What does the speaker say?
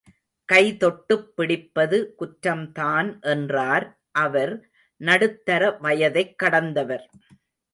கை தொட்டுப் பிடிப்பது குற்றம்தான் என்றார் அவர் நடுத்தர வயதைக் கடந்தவர்.